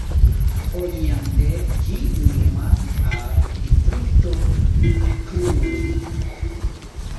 Oriente ĝi limas al distrikto Cluj.